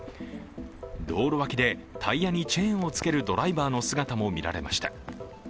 道路脇でタイヤにチェーンをつけるドライバーの姿も見られました。